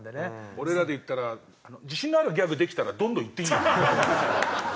俺らで言ったら自信のあるギャグできたらどんどんいっていいよみたいな。